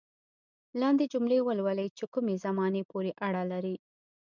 لاندې جملې ولولئ چې کومې زمانې پورې اړه لري.